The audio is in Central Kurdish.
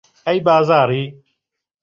ئەی بازاڕی